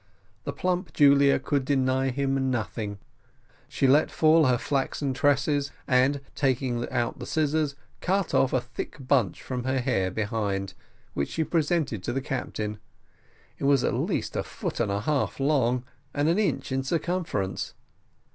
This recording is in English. The plump Julia could deny him nothing; she let fall her flaxen tresses, and taking out the scissors cut off a thick bunch from her hair behind, which she presented to the captain: it was at least a foot and a half long and an inch in circumference.